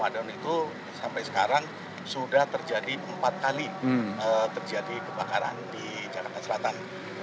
lima dan itu sampai sekarang sudah terjadi empat kali terjadi kebakaran di jakarta selatan